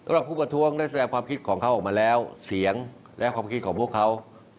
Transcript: ผู้ประท้วงได้แสดงความคิดของเขาออกมาแล้วเสียงและความคิดของพวกเขา